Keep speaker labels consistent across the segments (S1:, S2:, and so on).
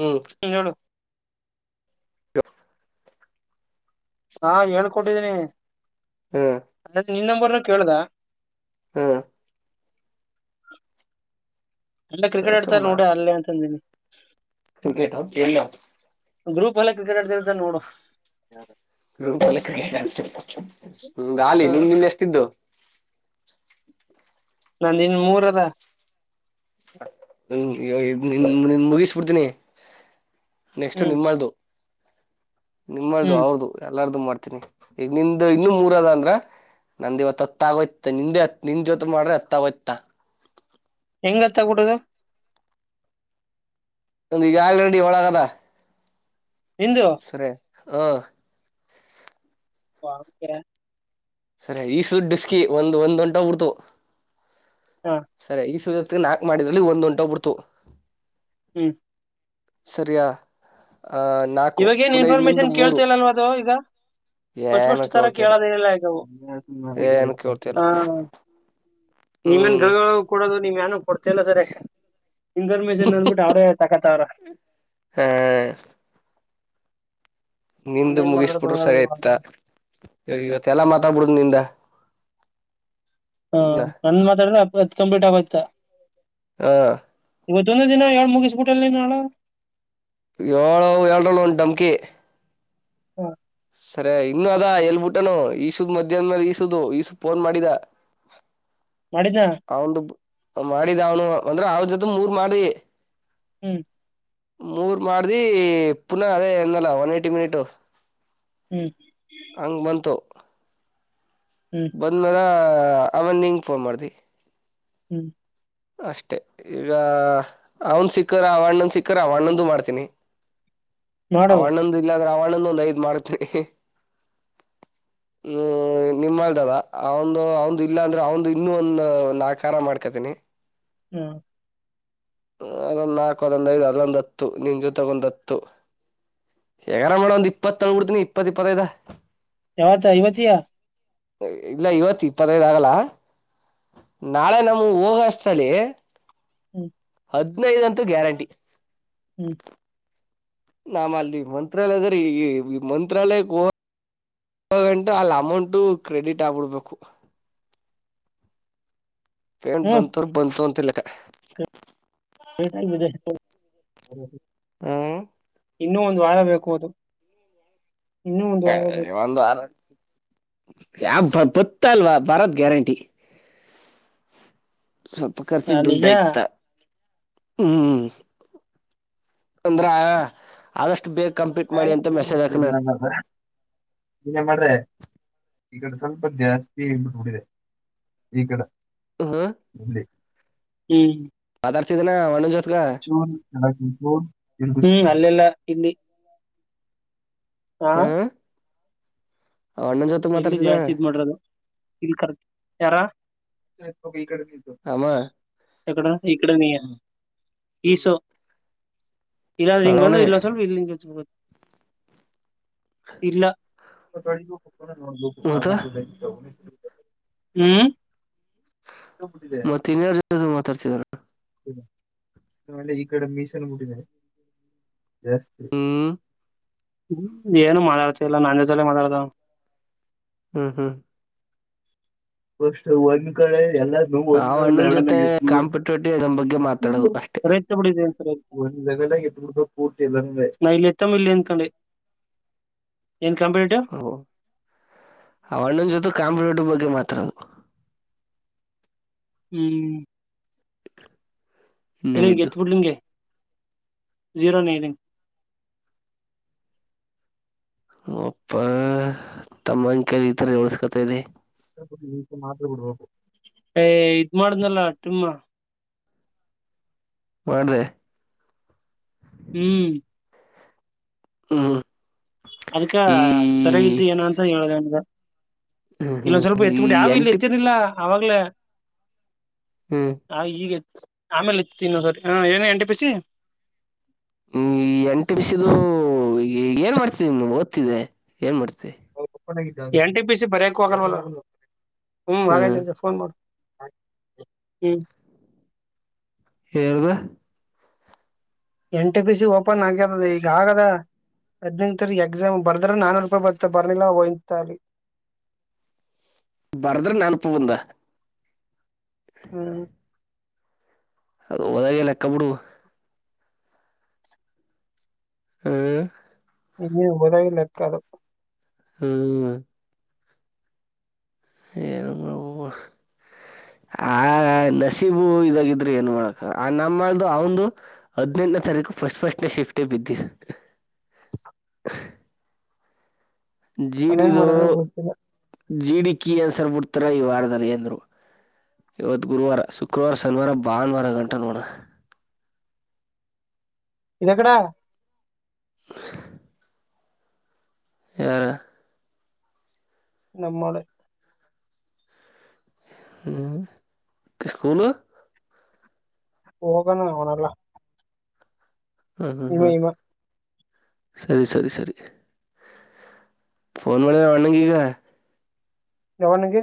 S1: ಹ್ಮ
S2: ಹೇಳು ಹಾ ಹೇಳ್ಕೊಟ್ಟಿದ್ದೀನಿ
S1: ಹ್ಮ್
S2: ಅದ ನಿನ್ ನಂಬರ್ನ ಕೇಳ್ದ
S1: ಹಾ
S2: ಎಲ್ಲ ಕ್ರಿಕೆಟ್ ಆಡ್ತಾರೆ
S1: ಕಳ್ಸಮ್ಮ
S2: ನೋಡಿ ಅಲ್ಲೇ ಅಂತ ಅಂದೀನಿ
S1: ಕ್ರಿಕೆಟ್ ಎಲ್ಲ
S2: ಗ್ರೂಪ್ ಎಲ್ಲ ಕ್ರಿಕೆಟ್ ಆಡ್ತಿತ ನೋಡು
S1: ಹ ಆಲಿ ನಿಮ ಇಲ್ಲಿ ಎಷ್ಟಿದ್ದು
S2: ನಂದು ಮೂರದ
S1: ನಿನ್ ಮುಗಿಸ್ಬಿಡ್ತೀನಿ ನೆಕ್ಸ್ಟ್
S2: ಹ್ಮ್
S1: ನಿಮ್ಮದು ನಿಮ್ಮ್ದು
S2: ಹ್ಮ್
S1: ಅವ್ರದು ಎಲ್ಲಾರ್ದು ಮಾಡ್ತೀನಿ ಈಗ ನಿ್ದ ಇನ್ನು ಮೂರ್ ಅದ ಅಂದ್ರ ನಂದ್ ಇವತ್ತುತ್ತ ಆಗೋಯತ ನಿಂದೆತ್ ನಿನ್ ಜೊತೆ ಮಾಡಿದ್ರೆ ಅರ್ಥ ಆಗುತ್ತೆ
S2: ಹೆಂಗ್ ಹತ್ತ ಬಿಡುದು
S1: ಒಂದು ಈಗ ಆಲ್ ರೆಡಿ ಒಳಗದ
S2: ಹಂದು
S1: ಸರ ಹ
S2: ಹೆ [unintelligible]
S1: ಸರಿ ಈ ಸಡ್ ಡಿಸಕಿ ಒಂದ ಒಂದ್ ಗಂಟ ಹಡ್ತು
S2: ಹಾ
S1: ಸರಿ ಈಗ ಸ ನಾಕಕ್ ಮಾಡಿದ್ರಲ್ಲಿ ಒಂಟಿ ಒಗ್ಬಿಡ್ತು ಬಿಡ್ತು
S2: ಹ್ಮ್
S1: ಸರಿಯ
S2: ಇವಾಗ ಏನ್
S1: ನಿಂದು
S2: ಇನ್ಫಾರ್ಮೇಶನ್
S1: ಮೂರು
S2: ಕೇಳ್ತ ಇಲ್ಲ ಅನ್ನೋ ಅದು ಈಗ
S1: ಏನು
S2: ಅಷ್ಟಫಷ್ಟ ತರ
S1: ಕೇಳ್ತಿಲ್ಲ
S2: ಕೇಳದೇಲ್ಲ ಈಗ
S1: ಏನು ಕೇಳ್ತಿಲ್ಲ
S2: ನಿಮೇನ್ ಗ
S1: ಹ್ಮ್
S2: ಕೊಡೋದು ನೀವ್ ಏನ ಕೊಡ್ತಲ್ಲ ಸರಿ ಇನ್ಫಾರ್ಮೇಶನ್ ಅಂದಬಿಟ್ಟು ಅವ್ರೇ ತಕತ್ತವ್ರ
S1: ಹ್ಮ ನಿಂದ
S2: ಇನ್ನೇನ್ ಮಾಡಿದ್ರ
S1: ಮುಗಿಸ್ಬಿಟ್ರರು ಸರಿ ಆಯ್ತಾ ಇ ಇವತ್ತು ಎಲ್ಲಾ ಮಾತಾಡ್ಬಿಡುದ್ ನಿಂದ
S2: ಹಾ
S1: ಇಲ್ಲ
S2: ನನ್ ಮಾತಾಡ ಅತ್ ಕಂಪ್ಲೀಟ್ ಆಗೋಯ್ತಾ
S1: ಹಾ
S2: ಇವತ್ತೊಂದ ದಿನಏಳಳ್ ಮುಗಿಸ್ಬಿಟಲ್ಲಿ ನಾಳ
S1: ಏಳು ಏರಳ ಒಂದು ಡಮ್ಕಿ
S2: ಹಾ
S1: ಸರಿ ಇನ್ನುೂ ಅದ ಎಲ್ಬಿಟ್ಟಾನನು ಈಸುದ ಮಧ್ಯಾಹ್ ಮೇಲೆ ಈಸದು ಈಸು ಫೋನ್ ಮಾಡಿದ
S2: ಮಾಡಿದ್ದ
S1: ಅವ್ದ ಮಾಡಿದ ಅವ್ನು ಅಂದ್ರೆ ಅವ್ರ ಜೊತೆ ಮೂರ್ ಮಾಡಿ
S2: ಹ್ಮ್
S1: ಮೂರ್ ಮಾಡ್ದಿ ಪುನಃ ಅದೇ ಎಂದಲ್ಲ ಒನ್ ಇಯಿಟ್ [unintelligible] ಮಿನಿಟ್
S2: ಹ್ಮ್
S1: ಹಂಗ್ ಬಂತು
S2: ಹ್ಮ್ [unintelligible]
S1: ಬಂದ ಮೇಲೆ ಆಮೇಲೆ ಹಂಗೆ ಫೋನ್ ಮಾಡಿತಿ
S2: ಹ್ಮ್
S1: ಅಷ್ಟೆ ಈಗ ಅವನ್ ಸಿಕ್ಕರ ಅವಣ್ಣೊಂದ ಸಿಕ್ಕರ ಅವಣ್ಣೊಂದು ಮಾಡ್ತೀನಿ
S2: [unintelligible]
S1: ಅವಣೊಂದ ಇಲ್ಲಾದ್ರೆ ಅವಣೊಂದೊಂದು ಐದ್ ಮಾಡ್ತ್ರಿ
S2: [unintelligible]
S1: ಹ್ಮ ನಿಮ್ಮಲ್ದದ ಅವಂದು ಅವಂದು ಇಲ್ಲ ಅಂದ್ರೆ ಅವಂದು ಇನ್ನ ಒಂದ ನಾಲ್ಕರ ಮಾಡ್ಕತೀನಿ
S2: ಹ್ಮ
S1: ಅದೊಂದು ನಾಲ್ಕು ಅದೊಂದ ಐದು ಅದೊಂದ ಹತ್ತು ನಿನ್ ಜೊತಗೆ ಒಂದು ಹತ್ತು ಹಗ್ಯಾರ ಮಾಡಡ ಒಂದ ಇಪ್ಪತ್ತಳ್ ಬಿಡ್ತನಿ ಇಪ್ಪತ್ತ ಇಪ್ಪತ್ತೈದ [inaudible]
S2: ಯಾವತ್ತಾ ಐವತ್ತಿಯಾ
S1: ಇಲ್ಲ ಇವತ್ತು ಇಪ್ಪತ್ತೈದ್ ಆಗಲ್ಲಾ ನಾಳೆ ನಮಗೆ ಹೋಗಳ
S2: ಹ್ಮ್
S1: ಹದ್ನೈದಂತೂ ಗ್ಯಾರಂಟಿ
S2: ಹ್ಮ್
S1: ನಮ್ಮ ಅಲ್ಲಿ ಮಂತ್ರಾಲಯ ಅದ್ರೀ ಈ-ಈ ಮಂತ್ರಾಲಯಕ್ಕೆ ಹ ಇ ಗಂಟು ಅಲ್ಲಿ ಅಮೌಂಟು ಕ್ರೆಡಿಟ್ ಆಗ್ಬಿಡ್ಬೇಕು ಏನು [unintelligible]
S2: ಹ್ಮ್
S1: ಬಂತವ್ ಬಂತು ಅಂತ
S2: ಸಟದ [unintelligible]
S1: ಹಾ
S2: ಇನ್ನೂ ಒಂದು್ ವಾರ ಬೇಕು ಅದು ಇನ್ನೂ ಒಂದ್ ವಾರ
S1: ಯಾ
S2: ಬೇಕು
S1: ಒಂದ್ ಆರ್ ಯಾವ ಬತ್ತ ಅಲ್ವಾ ಬರದ ಗ್ಯಾರಂಟಿ. ಸ್ವಲ್ಪ
S2: ಹ
S1: ಖರ್ಚಿಗೆ
S2: ನಿಜ
S1: ದುಡ್ಡಯ್ತ ಹ್ಮ್ ಅಂದ್ರ ಆದಷ್ಟು ಬೇಗ್ ಕಂಪ್ಲೀಟ್ ಮಾಡಿ ಅಂತ ಮೆಸೇಜ್ ಹಾಕನ.
S2: ಇನ್ನ ಮಾಡ್ರೆ ಈ ಕಡೆ ಸ್ವಲ್ಪ ಜಾಸ್ತಿ ಹಳ್ಬಿಟ್ಬಡಿದೆ ಈ ಕಡೆ
S1: ಹ್ಮ್
S2: ಬೆ ಹ್ಮ್
S1: ಪದರ್ಥಿ ದಿನ ಒನುಜ
S2: ಹ್ಮ ಅಲ್ಲೆಲ್ಲ ಇಲ್ಲಿ ಹಾ
S1: ಹ್ಮ್ ಅಣ್ಣನ್ ಜೊತ್
S2: ಇಲ್ಲಿ ಜಾಸ್ತಿ ಇದ್ ಮಾಡ್ರದು ಇಲ್ ಕರ್ ಯಾರ [unintelligible]
S1: ಆಮ್ಮ
S2: ಯಾ ಕಡೆ ಈ ಕಡೇನಿಯ ಈಸೋ ಇಲ್ಲಾದ್ರೆ ಹಿಂಗನ್ನ್
S1: ಅವನೇ
S2: ಇಲ್ಲೊಂದ್ ಸ್ವಲ್ಪ ಇದ್ ಹಿಂಗ್ ಹಚ್ಕಬೇಕ್ ಇಲ್ಲ [unintelligible]
S1: ಮತ್ತ
S2: ಹ್ಮ್
S1: ಮತ್ತೆ ಇನ್ಯಾರ್ ಜೊತೆ ಮಾತಾಡ್ತಿದಾರೆ.
S2: ನಾ ಹೇಳಿದ್ ಈ ಕಡೆ ಮೀಸೆನ್ ಮುಟ್ಟಿದಾರೆ. ಸ್
S1: ಹ್ಮ್
S2: ಏನು ಮಾಡಾಡ್ತ ಇಲ್ಲ ನಾನ್ ವೆಜ್ಜಲ್ಲೆ ಮಾತಾಡ್ದ ಅವ್
S1: ಹ್ಮ್ ಹ್ಮ್
S2: ಬಹುಶ ಒಂದ್ ಕಡೆ ಎಲ್ಲ ನಂಗ್
S1: ಆ
S2: ಒಂದು
S1: ಅಣ್ಣನ್ ಜೊತೆ ಕಾಂಪಿಟೇಟಿವ್ ಎಕ್ಸಾಮ್ ಬಗ್ಗೆ ಮಾತಾಡೋದು
S2: [unintelligible] ಆಗೇ
S1: ಅಷ್ಟೇ
S2: [unintelligible] [unintelligible] ನಾ ಇಲ್ ಇರ್ತಾನ್ ಇಲ್ಲಿ ಆನ್ಕೊಂಡೆ. ಏನ್ ಕಾಂಪಿಟೆಟಿವ್
S1: ಹ ಆವಣ್ಣನ್ ಜೊತೆ ಕಾಂಪಿಟೆಟಿವ್ ಬಗ್ಗೆ ಮಾತಾಡದ್
S2: ಹ್ಮ್ ಇಲ್ಲ
S1: ಇನ್ನೇನಿದ್ದು
S2: ಹಿಂಗೆತ್ತ್ ಬಿಡ್ಲಿಂಗೆ ಝೀರೋ ನೈನ್
S1: ಒಪ್ಪ ತಮ್ಮನ್ ಕೈಲ್ ಈಥರ ಹೇಳ್ಸ್ಕತಿದಿ.
S2: ರೀತಿ ಮಾತೆ ಬಿಡ್ಬೇಕು ಏಯ್ ಇದ್ ಮಾಡುದ್ನಲ್ಲ ತಿಮ್ಮ
S1: ಮಾಡ್ದೆ
S2: ಹ್ಮ್
S1: ಹ್ಮ ಹ್ಮ
S2: ಅದ್ಕ ಸರಿಯಾಗಿತ್ತು ಏನು ಅಂತ ಹೇಳ್ದೆ ಅವ್ನ್ಗ.
S1: ಹ್ಮ್
S2: ಇಲ್ಲೊಂದ್
S1: ಹ್ಮ್
S2: ಸ್ವಲ್ಪ
S1: ಈ
S2: ಎತ್ಬಿಟ್ಟು ಯಾವು ಇಲ್
S1: ಎಂಟಿ
S2: ಎತ್ತಿರ್ಲಿಲ್ಲ ಅವಾಗ್ಲೇ
S1: ಹ್ಮ್
S2: ಹ ಈಗ ಆಮೇಲೆ ಇದ್ ತಿನ್ನೋ ಬರೀ ಹ ಏನ ಎಂಟಿ ಪಿ ಸಿ
S1: ಹ ಈ ಎಂ ಟಿ ಸಿ ದು ಏನ್ ಮಾಡ್ತಿದ ನೀ ಓದ್ತಿದ್ದಿ ಏನ್ ಮಾಡ್ತಿ.
S2: ಎನ್ ಟಿ ಪಿ ಸಿ ಬರ್ಯಕ್ ಹೋಗಲ್ವಲ್ಲ ಹ್ಮ್
S1: ಹ್ಮ್
S2: ಮನ್ಯಾಗದ ಫೋನ್ ಮಾಡ್ ಹ್ಮ್
S1: ಯಾರ್ದ
S2: N T P C open ಆಗ್ಯರದದ ಈಗ ಆಗ್ಯದ ಹದ್ನೆಂತರಿ ಎಕ್ಸಾಮ್ ಬರ್ದ್ರ ನಾನೂರು ರೂಪಾಯಿ ಬರ್ತ ಬರ್ಲಿಲ್ಲ ಒಯ್ಯಿತ್ತಾರಿ.
S1: ಬರ್ದ್ರೆ ನಾನುಪ್ಪು ಬಂದ
S2: ಹ್ಮ
S1: ಅದ್ ಹೊದಾಗೆ ಲೆಕ್ಕ ಬಿಡು. ಹ್ಮ್
S2: ಹ್ಮ್ ಹೋದಾಗೆ ಲೆಕ್ಕ ಅದು.
S1: ಹ್ಮ್ ಏನುಮ್ಮ ಆ ನಸೀಬು ಇದಾಗಿದ್ರೆ ಏನ್ ಮಾಡಕ ಆ ನಮ್ಮ್ದು ಅವಂದು ಹದಿನೆಂನೇಾರೀಕು ಫಸ್ಟ್ ಫಸ್ಟ್ೇ ಶಿಫ್ಟೇ ಬಿದ್ದ ಸರ್
S2: [inaudible] ಆಮೇನ್
S1: ಜೀಡಿದು
S2: ಮಾಡಿದ್ರ ಗೊತ್ತಿಲ್ಲ
S1: ಜಿಡಿ ಕಿ ಅನ್ಸರ್ ಬಿಡ್ತಾರ ಈ ವಾರದಲ್ಲಿ ಎಂದ್ರು ಇವತ್ತು ಗುರುವಾರ ಶುಕ್ರವಾರ ಶನಿವಾರ ಭಾನುವಾರ ಗಂಟೆ ನೋಡೋಣ
S2: ಇದೆಕ್ಕಡ
S1: ಯಾರ
S2: ನಮ್ಮಳ
S1: ಹ ಕಷ್ಟಕೊಳ್ಳ
S2: ಹೋಗಣ ಅವನಲ್ಲ
S1: ಹಾಞ
S2: ಇವ
S1: ಹಾ ಹಾಞ
S2: ಇವ
S1: ಸರಿ ಸರಿ ಸರಿ ಫೋನ್ ಮಾಡಿಿದ ಅಣಗೆ ಈಗ
S2: ಯಾವನಿಗೆ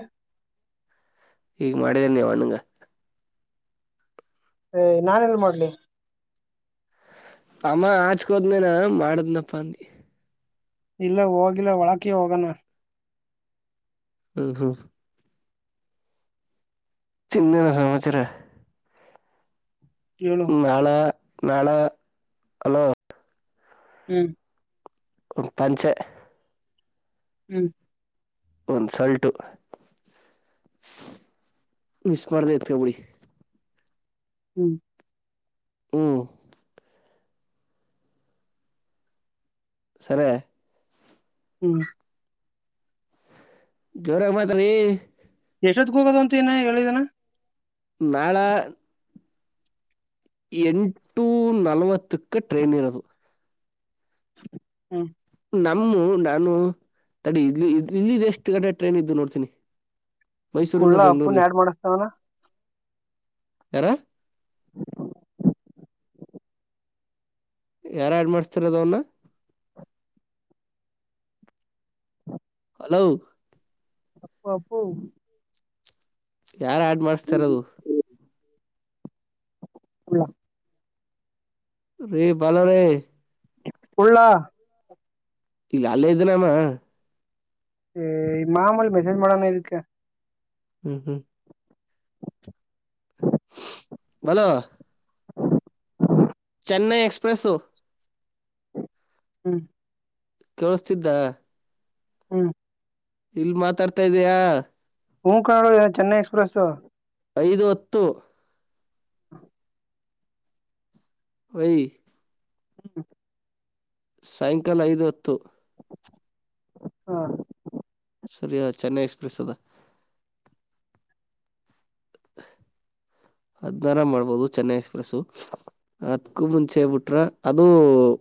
S1: ಈೀಗ ಮಾಡಿದ್ದೇರಿ ನೀವು ಹಣಗೆ
S2: ಏ್ ನಾನನ್ ಎಲ್ ಮಾಡ್ಲಿ
S1: ಆ ಆ ಚಕ್ಕೋದನೇನ ಮಾಡಿದ್ನಪ್ಪ ಅಂದ
S2: ಇಲ್ಲ ಹೋಗ್ಿಲ್ಲ ಒಳಕಿ ಹೋಗೋಣ
S1: ಹ್ಮ್ ಹ್ಮ್ ತಿಿನ್ನನ ಸಮಚರ
S2: ಹ
S1: ನಾಳೆ ನಾಳೆ ಹಲೋ
S2: ಹ್ಮ್
S1: ತಚೆ [inaudible]
S2: ಹ್ಮ್
S1: ಒಂದ್ ಶಲ್ತು ಮಿಸ್ ಮಾಡ್ದ ಇತ್ಕೊಬಿಡಿ
S2: ಹ್ಮ್
S1: ಹ್ಮ್ ಸರಿ
S2: ಹ್ಮ್
S1: ಜೋರ ಮಾತ್ೀ
S2: ಯಶೋದ್ಗ ಹೋಗೋದು ಅಂತಏನ ಹೇಳಿದನ
S1: ನಾಳ ಎಂಟು ನಲ್ವತ್ತಕ್ಕೆ ಟ್ರೈನ್ ಇರೋದು
S2: ಹ್ಮ್
S1: ನಮ್ಮ ನಾನು ತಡೆ ಇ ಇಲ್ಲಿ ಎಷ್ಟು ಗಡೆ ಟ್ರೈನ್ ಇದ್ದು ನೋಡ್ತೀನಿ ಮೈಸೂರಿಂದ
S2: ಕುಳ್ಳ ಅಪ್ಪನ್
S1: ಬೆಂಗಗಳೂರ್ಗೆ
S2: ಆಡ್ ಮಾಡಿಸ್ತಾವನ
S1: ಯಾರ ಯಾರ ಆಡ್ ಮಾಡ್ಸ್ತಿರ ಅದ ಅವನ್ನ ಹಲೋ
S2: ಅಪ್ಪ ಅಪ್ಪ
S1: ಯಾರು ಆಡ್ ಮಾಡಿಸಸ್ತಾರ ಅದು
S2: ಹ
S1: ರೀ ಬಲ ರೀ
S2: ಹುಳ್ಳಾ
S1: ಇಗ ಅಲ್ಲೇ ಇದ್ದಿನಮ್ಮ
S2: ಹೆ ಮಾಮೂಲಿ ಮೆಸೇಜ್ ಮಾಡೋಣ ಇದಕ್ಕೆ.
S1: ಹ್ಮು ಹ್ಮ್. [unintelligible] ಹಲೋ
S2: [inaudible]
S1: ಚೆನ್ನೈ ಎಕ್ಸ್ಪ್ರೆಸ್
S2: ಹ್ಮ್.
S1: ಕೇಳುಸ್ತಿದ್ದಾ
S2: ಹ್ಮ್.
S1: ಇಲ್ ಮಾತಾಡ್ತಾ ಇದೆಯಾ
S2: ಹ್ಞು [unintelligible] ಚೆನ್ನೈ ಎಕ್ಸ್ಪ್ರೆಸು
S1: ಐದು ಹತ್ತು. ಓಯ್
S2: [inaudible]
S1: ಸಾಯಂಕಾಲ ಐದುಹತ್ತು.
S2: ಹಾ.
S1: ಸರಿಯಾ ಆ ಚೆನ್ನೈ ಎಕ್ಸ್ಪ್ರೆಸ್ ಅದ.
S2: [inaudible]
S1: ಹದ್ನಾರ ಮಾಡ್ಬೋದು ಚೆನ್ನೈ ಎಕ್ಸ್ಪ್ರೆಸ್ಸು. ಅದ್ಕೂ ಮುಂಚೆ ಬಿಟ್ರ ಅದು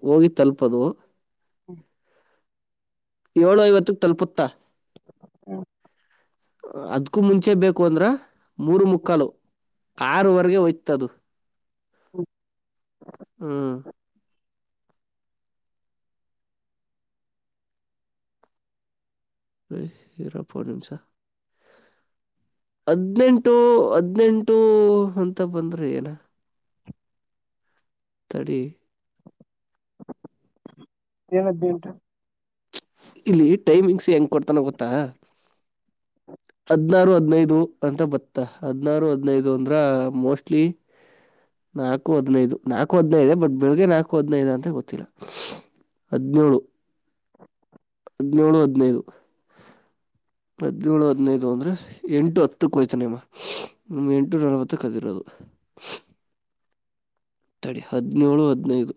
S1: ಹೋಗಿ ತಲುಪದು
S2: ಹ್ಮ.
S1: ಏಳು ಐವತ್ತಕ್ ತಲುಪುತ್ತಾ.
S2: [inaudible] ಹ್ಮ್
S1: ಅದ್ಕ್ಕೂ ಮುಂಚೆ ಬೇಕು ಅಂದ್ರ ಮೂರು ಮುಕ್ಕಾಲು. ಆರವರೆಗೆ ಓಯ್ತದು [inaudible] ಹ್ಮ್. ಹೆಯ್ ಇರಪ್ತ ಒಂದ ನಿಮಿಷ ಹದ್ನೆಂಟು ಹದ್ನೆಂಟು ಅಂತ ಬಂದ್ರೆ ಏನ ತಡಿ
S2: ಏನ ಹದ್ನೆಂಟ
S1: ಇಲ್ಲಿ ಟೈಮಿಂಗ್ಸ್ ಹೆಂಗ್ ಕೊಡ್ತಾನ ಗೊತ್ತಾ ಹದ್ನಾರು ಹದ್ನೈದು ಅಂತ ಬತ್ತಾ ಹದ್ನಾರು ಹದ್ನೈದು ಅಂದ್ರ ಮೋಸ್ಟ್ಲಿ ನಾಲ್ಕು ಹದ್ನೈದು ನಾಲ್ಕು ಹದ್ನೈದೆ ಬಟ್ ಬೆಳಿಗ್ಗೆ ನಾಲ್ಕು ಹದ್ನೈದಾ ಅಂತ ಗೊತ್ತಿಲ್ಲ. ಹದ್ನೋಳು ಹದ್ನೊಳು ಹದ್ನೈದು. ಹದ್ನೊಳು ಹದ್ನೈದು ಅಂದ್ರೆ ಎಂಟು ಹತ್ತುಕ್ಕ ಹೋಯ್ತಾನೆಮ್ಮ. ಒಮ್ಮೆ ಎಂಟುನಲವತ್ತ ಅದಿರೋದು ತಡಿ ಹದ್ನೊಳು ಹದ್ನೈದು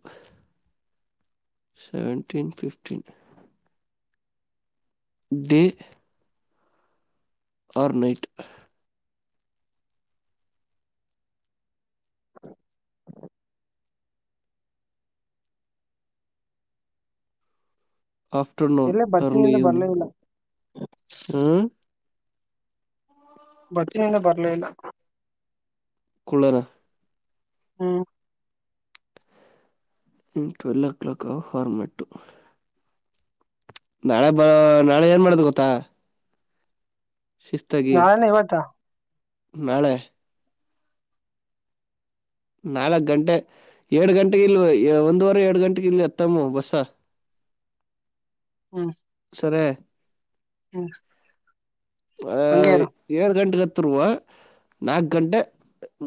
S1: ಸೆವೆಂಟೀನ್ ಫಿಫ್ಟೀನ್. ಡೆ [unintelligible] ಆರ್ನೈಟ್.
S2: ಹ್ಮ [inaudible]
S1: ಆಫ್ಟರ್ನೂನ್
S2: ಎಲ್ಲೇ
S1: ಅರ್ಲಿ
S2: ಬತ್ತಿನಿಂದ ಬರ್ಲೇ
S1: ಈವ್ನಿಂಗ್
S2: ಇಲ್ಲ
S1: ಹು
S2: ಬಚ್ಚಿನಿಂದ ಬರ್ಲೇ ಇಲ್ಲ.
S1: ಕುಳ್ಳರಾ
S2: ಹು.
S1: ಟ್ವೆಲ್ ಓ ಕ್ಲಾಕ್ ಪ್ಯಾರಮೆಟ್ ನಾಳೆ ಬ ನಾಳೆ ಏನ್ ಮಾಡ್ದ ಗೊತ್ತಾ. ಶಿಸ್ತಾಗಿ
S2: ನಾಳೆನಾ ಇವತ್ತ್
S1: ನಾಳೆ ನಾಲ್ಕ ಗಂಟೆ ಏಡ ಗಂಟೆೆಗೆ ಇಲ್ ಒಂದುವರೆ ಎರಡು ಗಂಟೆೆಗೆ ಇಲ್ಲಿ ಎತ್ತಮ್ಮ ಬಸ್ಸ
S2: [inaudible]
S1: ಸರಿ [inaudible]
S2: ಹ್ಮ್ ಹಂಗೇ
S1: ಅಯ
S2: ಇರು
S1: ಏಳು ಗಂಟೆಗ ಹತ್ತಿರುವ ನಾಲ್ಕು ಗಂಟೆ